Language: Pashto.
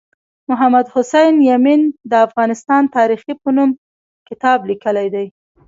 محمد حسین یمین د افغانستان تاریخي په نوم کتاب لیکلی دی